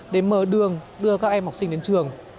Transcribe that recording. để mở đường đưa các em học sinh đến trường